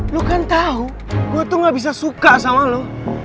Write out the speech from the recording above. lu kan tahu gue tuh gak bisa suka sama lo